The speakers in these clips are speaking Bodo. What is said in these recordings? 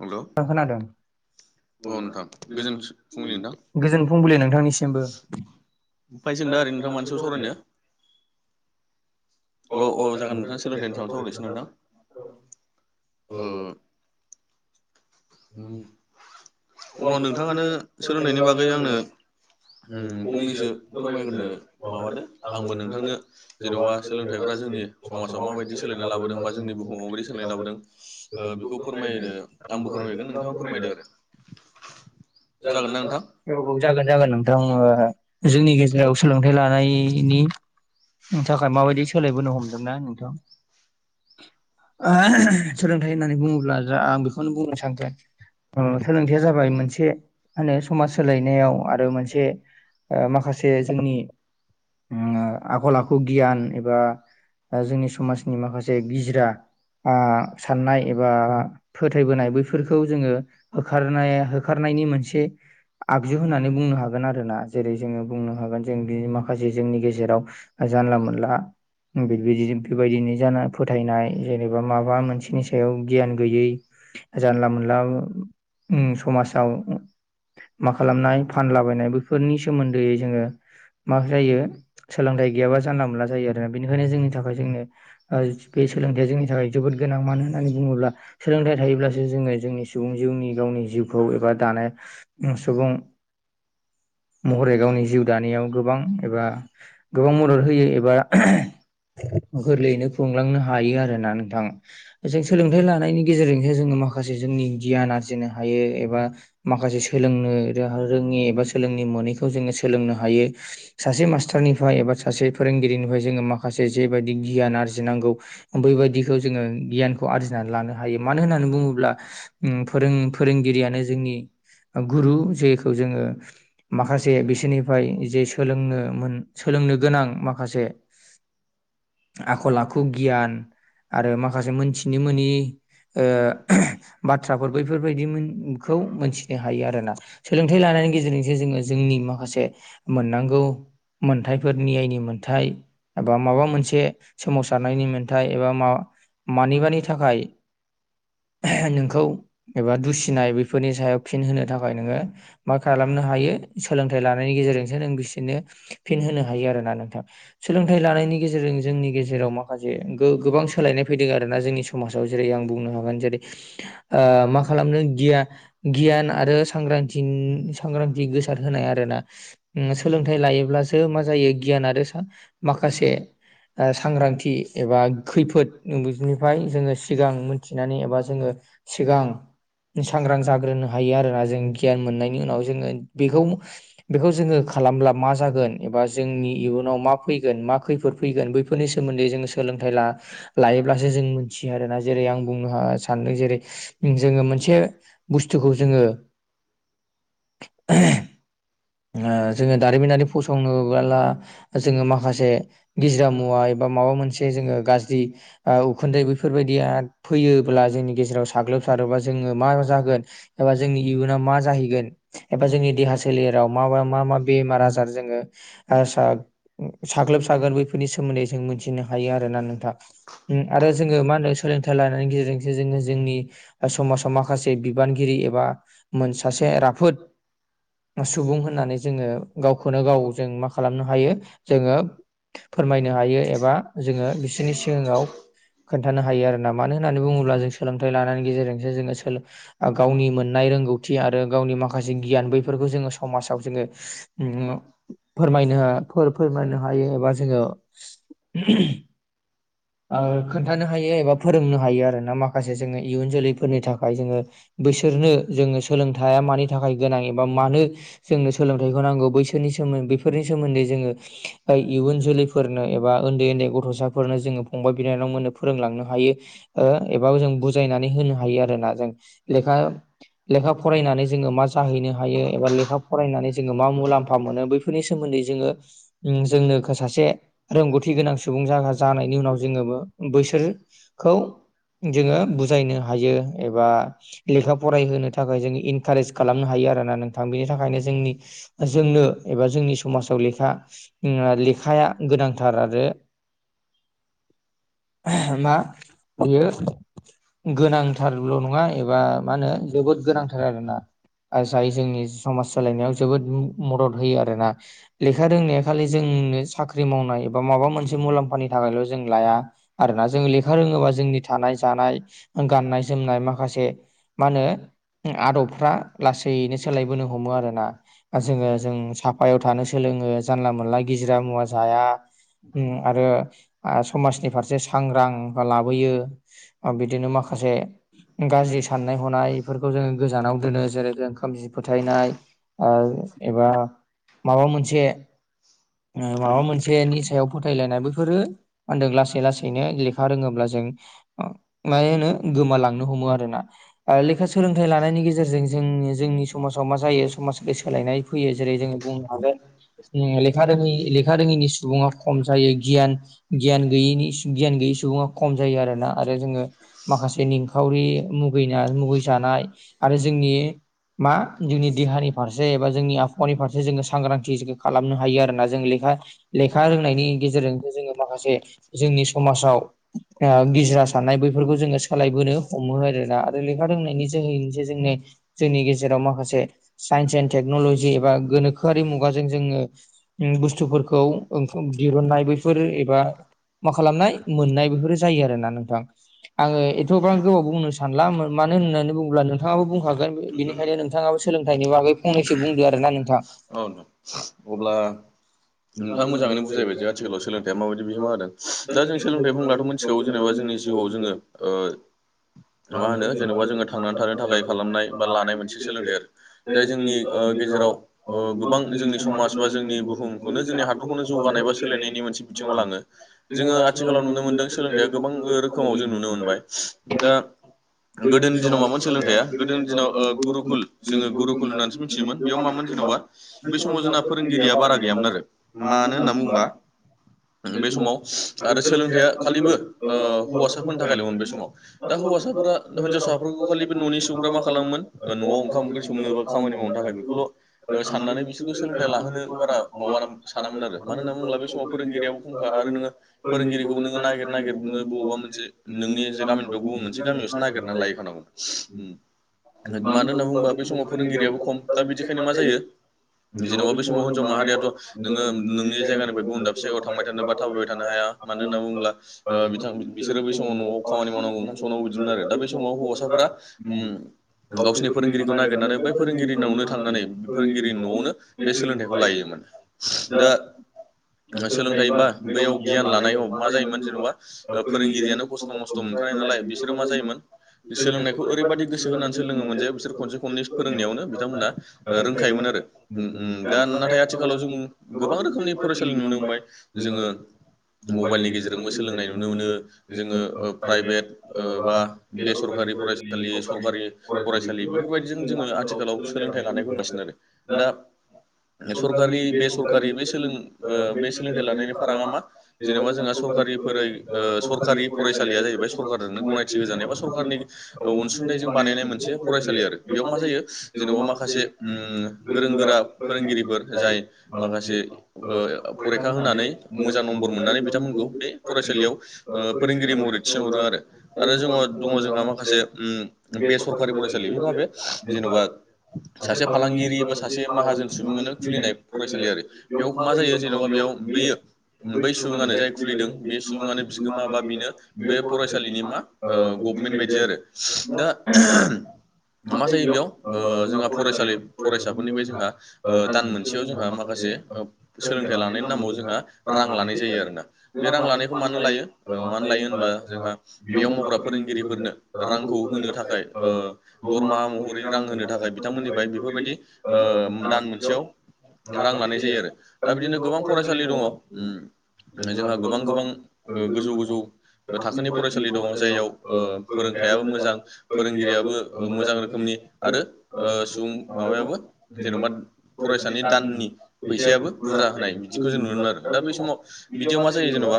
हेलौ आं खोनादों नोंथां गोजोन फुंबिलि नोंथांनिसिमबो ओमफ्राय जों दा ओरै नोंथां मानि सायाव सावरायनो [unintelligible] अ औ जागोन नोंथां सोलोंथाइ नि सायाव सावरायनिसै‌ नोंथां अ अब्ला नोंथाङानो सोलोंनायनि बागै बागैनो आंनो उम फंनैसो फोरमायग्रोनो माबादो आंबो नोंथांनो जेन'बा सोलोंथाइ जोंनि समाजाव माबायदि सोलायनाय लाबोदों बा जोंनि बुहुमाव माबायदि सोलायनाय लाबोदों ओ बेखौ फोरमायनो आंबो फोरमायगोन नोंथाङा फोरमायदो आरो जागोन ना नोंथां जागोन जागोन नोंथां ओ जोंनि गेजेराव सोलोंथाइ लानाय बिनि थाखाय माबायदि सोलायबोनो हमदोंना नोंथां सोलोंथाइ होननानै बुङोब्ला जा आं बेखौनो बुंनो सानगोन ओ सोलोंथाइया जाबाय मोनसे मा होनो समाज सोलायनायाव आरो मोनसे ओ माखासे जोंनि ओ आखल आखु गियान एबा जोंनि समाजनि माखासे गिजिरा ओ साननाय एबा फोथायबोनाय बैफोरखौ जोङो हो खारनाय होखारनायनि मोनसे आगजु होननानै बुंनो हागोन आरोना जेरै जोङो बुंनो हागोन जों बि माखासे जोंनि गेजेराव जानला मोनला बिदि बेबायदिनो जाना फोथायनाय जेनेबा माबा मोनसेनि सायाव गियान गैयै जानला मोनला उम समाजाव मा खालामनाय फानलाबायनाय बेफोरनि सोमोन्दैयै जोङो मा जायो सोलों थाय गैयाबा जानला मोनला जायो आरोना बेनिखायनो जोंनि थाखाय जोंनो बे सोलोंथया जोंनि थाखाय जोबो गोनां मा होननानै बुङोब्ला सोलोंथाइ थायोब्लासो जोङो जोंनि सुबुं जिउनि गावनि जिउखौ एबा दानाय सुबुं महरै गावनि जिउ दानायाव गोबां एबा गोबां मदद होयो एबा [inaudible] गोरलैयैनो खुंलांनो हायो आरो ना नोंथां जों सोलोंथाइ लानायनि गेजेरजोंसो जोङो माखासे [unintelligible] जों हायो एबा माखासे सोलोंनो रोङि एबा सोलोंनो मोनैखौ जोङो सोलोंनो हायो सासे मास्टारनिफ्राय एबा सासे फोरोंगिरिनिफ्राय जोङो माखासे जेबायदि गियान आरजिनांगौ बैबायदिखौ जोङो गियानखौ आरजिनानै लानो हायो मानो होननानै बुङोब्ला फोरों फोरोंगिरियानो जोंनि गुरु जेखौ जोङो माखासे बिसोरनिफ्राय जे सोलोंनो मोन सोलोंनो गोनां माखासे [inaudible] आखल आखु गियान आरो माखासे मोनथिनो मनि ओ बाथ्रा बैफोरबायदिखौ मोनथिनो हायो आरोोना सोलोंथाइ लानायनि गेजेरजोंसो जोङो जोंनि माखासे मोननांगौ मोनथफोर नि आइनि मोनथथाय बबा माबा मोनसे सोमावसारनायनि मोनथाय एबा मानिबानि थाखाय नोंखौ एबा दुसिनाय बेफोरनि सायाव फिन होनो थाखाय नोङो मा खालामनो हायो सोलोंथाइ लानायनि गेजेरजों बिसोरनो फिन होनो हायो आरोोना नोंथां सोलोंथाइ लानायनि गेजेरजों जोंनि गेज माखासे गोबां सोलायनाय फैदों आर ना जोंनि समाजाव जेरै आं बुंनो हागोन जेरै ओ खालामदों गिया गियान आरोांग्रथि सांग्रांथि गोसार होनाय आर ना सोलोंथाइ लायोब्लासो मा जायो गियान आरो माखासे ओ सांग्रांथि एबा खैफोदनिफ्राय जोङो सिगां मोनथिनानै एबा जोङो सिगां सांग्रां जाग्रोनो हायो आरोोना जों गियान मोननायनि उनाव जोङो बेखौ बेखौ जोङो खालामब्ला मा जागोन एबा जोंनि इयुनाव मा फैगोन मा खैफोद फैगोन बैफोरनि सोमोन्दै जोङो सोलोंथाइ लायोब्लासो जों मोनथियो आरोना जेरै आं बुंनो सानदों जेरै जोङो मोनसे बुस्थुखौ जोङो [inaudible] जोङो दारिमिनारि फसंनोला जोङो माखासे गिजिरा मुवा बा माबा मोनसे जोङो गाज्रि उखुन्दै बेैफोरबायदिया फैयोब्ला जोंनि गेजेराव सा गाग्लोबसारोबा जोङो मा जागोन एबा जोंनि इयुनाव मा जाहैगोन एबा जोंनि देहा सोलेराव मा मा मा बेमार आजार जोो साग्लोबसागोन बैफोरनि सोमोनदै जों मोन मिनो हायो आरोना नोंथाङा आरो जोङो मा होनो सोलोंथाइ लानायनि गेजेरजोंसो जोङो जोंनि समाजाव माखासे बिबानगिरि एबा सासे राफोद सुबुं होननानै जोङो गावखौनो गाव जों मा खालामनो हायो जोङो फोरमायनो हायो एबा जोङो बिसोरनि सिगाङाव खोन्थानो हायो आरोना मानो होननानै बुङोब्ला जों सोलोंथाइ लानानै गेजेरजोंसो जोङो स गावनि मोननाय रोंगौथि आरो गावनि माखासे गियान बैफोरखौ जोङो समाजाव जोङो फोरमायनो फोरमायनो हायो एबा जोङो खोन्थानो हायो एबा फोरोंनो हायो आरो ना माखासे जोङो इयुन जोलैफोरनि थाखाय जोङो बैसोरनो जोङो सोलोंथाइया मानि थाखाय गोनां एबा मानो जोंनो । सोलोंथाइखौ नांगौ बैसोरनि सोन्दै बेफोरनि सोमोन्दै जोङो ब इयुन जोलैफोरनो एबा उन्दै उन्दै उदै गथ'साफोरनो जोङो फंबाय बिनानाव मोननो फोरोंलांनो हायो ओ एबा जों बुजायना बुजायनानै होनो हायो आरोना जों लेखा फरायनानै जोङो मा जाहैनो हायो एबा लेखा फराय मुलामफा मोनो बैफोरनि सोमोन्दै जोङो जोंनो सासे रोंगौथि गोनां नां सुबुं जाना जानायनि उनाव जोङो बो बैसोरखौ जोङो नों हायो एबा लेखा फरायहोनो थाखाय जों इनकारेज खालामनो हायो आरो ना नोंथां बेनि थाखायनो जों नि जोंनो एबा जोंनि समाजाव लेखा ओ लेखाया गोनांथार आरो [inaudible] मा बियो गोनांथारल नङा एबा मा होनो जोबोद गोनांथार आरो ना। जाय जोंनि समाज सोलायनायाव जोबोद म मदद होयो आरोना लेखा रोंनाया खालि जों जोंनो साख्रि मावनाय बबा माबा मोनसे मुलाम्फानि थाखायल जों लाया आरोना जोंङो लेखा रोङोबा जोंनि थानाय जानाय गाननाय जोमनाय माखासे मा होनो आदबफ्रा लासैनो सोलायबोनो हमो आरोना जोङो जों साफायाव थानो सोलोङो जानला मोनला गिज्रा मुवा जाया उम आरो ओ आ समाजनि फारसे सांग्रां लाबोयो बिदिनो माखासे गाज्रि साननाय हनायफोरखौ जोङो गोजानाव दोनो जेरै जों खोमसि फोथायनाय नाय एबा माबा मोनसे ओ माबा मोनसे नि सायाव फोथायलायनाय बेफोरो मा होनदों लासै लासै नो लेखा रोङोब्ला जों माय होनो गोमालांनो हमो आरोना ओ लेखा सोलोंथाइ लानायनि गेजेरजों जोंनि जोंनि समाजाव मा जायो समाज सोलायनाय फैयो जेरै जोङो बुंनो हागोन लेखा रोङै लेखा रोङैनि सुबुङा खम जायो गियान गियान गैयैनि गियान गैयै सुबुङा खम जायो आरोना आरो जोङो माखासे निंखावरि मुगैना मुगैजानाय आरो जोंनि मा जोंनि देहानि फारसे एबा जोंनि आबहावानि फारसे जोङो सांग्रांथि खालामनो हायो आरोना जों ले खा लेखा रोंनायनि गेजेरजोंनो जोङो माखासे जोंनि समाज आ गिजिरा सानानाय बै फोरखौ जोङो सोलायबोनो हमो आरोना आरो लेखा रोंनायनि जोहैसो जोंनो जोंनि गेजेराव माखासे साइन्स एन्ड टेकनलजि एबा गोनोखोयारि मुगाजों जोङो ओ बुस्थुफोरखौ दिहुननाय बैफोरो एबा मा खालामनाय मोननाय बेफोरो जायो आरोना नोंथां आङो एथबां गोबाव बुंनो सानला मा मानो होननानै बुङोब्ला नोंथाङाबो बुंखागोन बेनिखायनो नोंथाङाबो सोलों औ नों अब्ला नोंथाङाबो मोजाङैनो बुजायबाय जे आथिखालाव सोलोंथाइया माबायदि बिहोमा होदों दा जों सोलोंथाइ बुंब्लाथ मिथिगौ जेनेबा जोंनि जिउआव जोङो ओ मा होनो जेरावहाय जेनबा जोङो थांनानै जोंहा थानो थाखाय थांनानै खालामनाय थानो बा लानाय थाखाय मोनसे लानायनि सोलोंथाइ आरो जाय जोंनि गेजेराव अ गोबां जोंनि समाज बा जोंनि बुहुमखौनो जोंनि हादरखौनो जौगानाय बा सोलायनायनि मोनसे बिथिङाव लाङो जोङो आथिखालाव नुनो मोनदों सोलोंथाइआ गोबां रोखोमाव जों नुनो नों मोनबाय दा गोदोनि दिनाव मामोन सोलोंथाइया गोदोनि दिनाव ओ गुरुकुल जोङो गुरुकुल होन्नानैसो मिथियोमोन बेयाव मामोन जेनबा बै समाव जोंना फोरोंगिरिया बारा गैयामोन आरो मानो होनना बुङोबा बे समाव आरो सोलोंथाइया खालिबो ओ हौवासाफोर थाखायलमोन बे समाव दा हौवासाफोरा हिनजावसाफोरखौ खालि बे ननि सुबुंगफ्रा मा खालामोन नआव ओंखाम संनो बा खामानि मावनो थाखाय बेखौल ओ थाखाय साननानै बिसोरखौ बेखौल' सोलोंथाइ लाहोनो बारा माबाराम सानामोन आरो मानो साननानै होनना सोलोंथाइ लानांगौ होनबा बुंब्ला बे समाव फोरोंगिरिया फोरोंगिरियाबो खमखा आरो नोङो फोरोंगिरिखौबो नोङो नागिर नागिर नोङो बबेबा मोनसे नोंनि जे गामिनिफ्राय गुबुन मोनसे गामियावसो नागिरना लायखानांगौ मानो होनना बुंबा बे समाव फोरोंगिरियाबो खम दा बिदिखायनो मा जायो। जेनेबा जेनबा बे समाव हिनजाव होननो माहारियाथ हानायाथ' नोङो नोंनि जायगानिफ्राय जायगानिफाय गुबुन गुबुनाव दाबसे सोरबा जायगायाव थांबाय थानो थायोबा बा थाबायबाय थाबायनो थानो हाया मानो होनना बुङोब्ला ओ बिथां बिसोरो बै समाव नआव खामानि मावनांगौ ओंखाम संनांगौ बिदिमोन आरो दा बे समाव हौवासाफोरा गावसिनि फोरोंगिरिखौ नागिरनानै बै फोरोंगिरि नावनो थांनानै फोरोंगिरि नआवनो बे सोलोंथाइखौ लायोमोन दा सोलोंथाइ बा बैयाव गियान ला नायाव मा जायोमोन जेन'बा ओ फोरोंगिरियानो खस्थ' मस्थ' मोनखानाय नालाय बिसोरो मा जायोमोन सोलोंनायखौ ओरैबायाददि गोसो होनानै सोलोङोमोन जे बिसोर खनसे खननै फोरोंनायावनो बिथांमोना रोंखायोमोन आरो उम उम दा नाथाय आथिखालाव जों गोबां रोखोमनि फरायसालि नुनो मोनबाय जोङो मबाइलनि गेजेरजोंबो सोलोंनाय नुनो मोनो जोङो प्राइभेट बा बेसरकारि फरायसालि सरकारि फरायसालि बेफोर बायदिजों जोङो आथिखालाव सोलोंथाइ लानायखौ नुगासिनो आरो दा सरकारि बेसरकारि बे सोलों ओ बे सोलोंथाइ लानायनि फारागा मा जेनेबा जोंहा सरकारि फोरै ओ सरकारि फरायसालिया जाहैबाय सरखारजोंनो गनायथि होजानाय बा सरखारनि अनसुंथाइजों बानायनाय मोनसे फरायसालि आरो बेयाव मा जायो जेनेबा माखासे उम गोरों गोरा फोरोंगिरिफोर जाय मा खासे ओ फरेखा होनानै मोजां नम्बर मोननानै बिथांमोनखौ बे फरायसालियाव ओ फोरोंगिरि महरै थिसन हरो आरो, आरो जोंङो दङ' जोंहा माखासे उम बे सरकारि फरायसालि बे माबे, जेन'बा सासे फालांगिरि बा सासे माहाजोन सुबुंआनो खुलिनाय फरायसालि आरो बेयाव मा जायो जेन'बा बेयाव बैयो बै सुबुङानो जाय खुलिदों बे सुबुङानो बि गोमा बा बिनो बे फरायसालिनि मा ओ गभमेन्ट बायदि आरो दा आरो मा जायो बेयाव ओ जोंहा फरायसालि फरायसाफोरनिफ्राय जोंहा ओ दान मोनसेयाव जोंहा माखासे ओ सोलोंथाइ लानायनि नामाव जोंहा रां लानाय जायो आरो ना बे रां लानायखौ मानो लायो ओ मानो लायो होनबा जोंहा बेयाव मावग्रा फोरोंगिरिफोरनो रांखौ होनो थाखाय ओ दरमा महरै रां होनो थाखाय बिथांमोननिफ्राय बेफोरबायदि ओ दान मोनसेयाव रां लानाय जायो आरो दा बिदिनो गोबां फरायसालि दङ' उम जोंहा गोबां गोबां ओ गोजौ गोजौ थाखोनि फरायसालि दङ' जायाव ओ फोरोंथायाबो मोजां फोरोंगिरियाबो ओ मोजां रोखनि आरो ओ सुबुं माबायाबो जेन'बा फरायसानि दान नि फैसायाबो बुरजा होनाय बिदिखौ जों नुनो‌ मोनो आरो दा बेै समाव बिदियाव मा जायो जेन'बा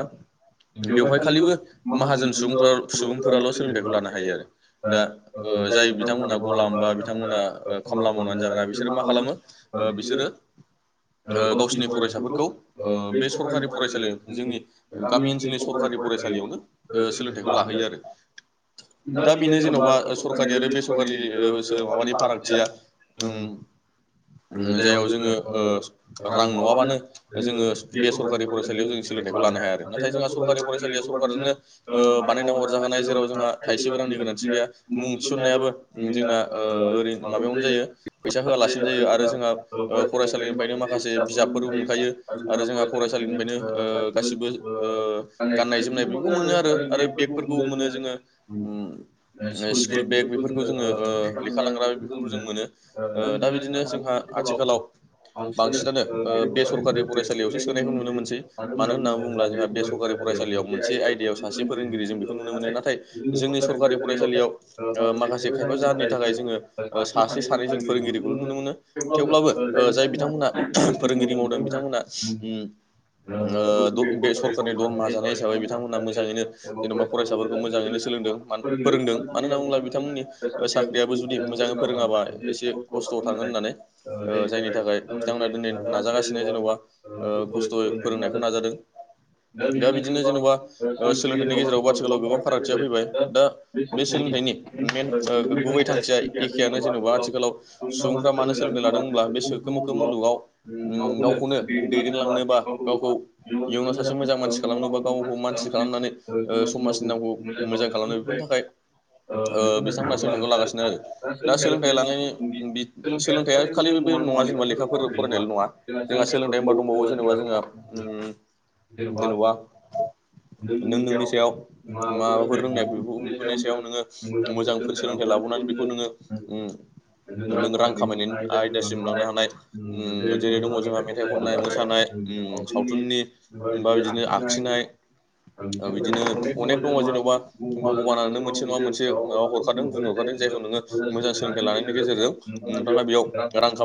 बेवहाय खालिबो माहाजोन सुबुंफोरा सुबुंफोराल' सोलोंथाइखौ लानो हायो आरो दा ओ जा जाय बिथांमोनहा गलाम बा बिथांमोना खामला मावनानै जाग्रा बिसोरो मा खालामो ओ बिसोरो ओ गावसोरनि फरायसाफोरखौ ओ बे सरखारि फरायसालियाव जोंनि गामि ओनसोलनि सरकारि फरायसालियावनो सोलोंथाइखौ लाहोयो आरो दा बेनो जेन'बा सरकारि आरो बेसरकारि माबानि फारागथिया उम जायाव जोङो रां नङाबानो जोङो बे सरकारि फरायसालियाव जों सोलोंथाइखौ लानो हाया आरो नाथाय जोंआ सरकारि फरायसालिया सरकारजोंनो ओ बानायना हरजा खानाय जेराव जोंहा थाइसेबो रांनि गोनांथि गैया मुं थिसन नायाबो जोंना ओ ओरै माबायावनो जायो फैसा होआलासिनो जायो आरो जोंहा ओ फरायसा लिनिफ्रायनो माखासे बिजाबफोरबो मोनखायो आरो जोंहा फरायसालिनिफ्रायनो ओ गासिबो ओ गाननाय जोमनाय बेफोरखौ मोनो आरो आरो बेगफोरखौ मोनो जोङो उम स्कुल बेग बेफोरखौ जोङो ओ लेखा लांग्रा बेफोरखौ जों मोनो ओ दा बिदिनो जोंहा आथिखालाव बांसिनानो ओ बेसरकारि फरायसा यावसो सोनायखो मोन मानो होनना बुंब्ला जोंहा बे सरकारियाव फसालियाव मोनसे आयदायाव सासे फोरोंगिरि जों बेखौ नुनो मोन नाथाय जोंनि कपालि सरकारि फरायसालि याव फरायसालियाव ओ माखासे खायफा जाहोननि थाखाय जोङो ओ सासे सानै जों फोरोंगिरिखौल' नुनो मोनो थेवब्लाबो ओ जाय बि बिथांमोना फोरोंगिरि मावदों बिथांमोना उम दा ओ द बे बिदिनो जेनेबा सरखारनि दरमा जानाय हिसाबै बिथांमोनहा मोजाङैनो बिथांमोननि साख्रियाबो जुदि मोजाङै फोरोङाबा एसे खस्थ' थांगोन होननानै ओ जायनि थाखाय थाखाय बिथांमोना दिनै नाजागासिनो जेन'बा खस्थ'यै फोरोंनायखौ नाजादों दा बिदिनो जेन'बा ओ सोलोंथाइनि गेजेरावबो आथिखालाव गोबां फारागथिया फैबाय दा बे सोलोंथाइनि में ओ गुबै थांखिया एखेयानो जेनेबा आथिखालाव सुबुंफ्रा मानो सोलोंथाय लादों होब्ला बे सो खो मोखो मुलुगाव उम गावखौनो दैदेनलांनोबा गावखौ इयुनाव सासे मोजां मानसि होनोबा गावखौ मानसि खालामनानै ओ समाजनि नामखौ मोजां खालामनो बेफोरनि थाखाय ओ बिथांमोना बिथांमोनहा बिफाव लानांगोन सोलोंथाइखौ लागासिनो आरो दा सोलोंथाइ लानायनि सोलोंथाइया खालि नङा जेनेबा लेखाफोर फरायनायल' नङा जोंहा सोलोंथाइ होनबा दंबावो जेनेबा जोङो उम जेन'बा जेनेबा नों नोंनि सायाव माबाफोर रोंनाय बेखौ बेफोरनि सायाव नोङो मोजांफोर सोलोंथाइ लाबोनानै बेखौ नोङो नों रां खामाय आयदासिम लांनो हानाय उ जेरै दङ जोंहा मेथाइ खननाय मोसानाय उ सावथुननि बा बिदिनो आखिनाय ओ बिदिनो अनेक अनेखखौ दङ जेनेबा जेन'बा बुहुमा नों भगबानानो मोनसे नङा मोनसे राव हरखादों गुन हरखादों जायखौ मोजां नोङो मोजां सोलोंथाइ लानायनि गेजेरजों नोंथाङा बेयाव रां खाम